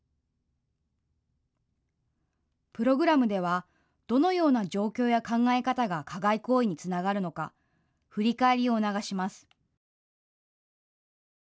プログラムではどのような状況や考え方が加害行為につながるのか振り返りを促します。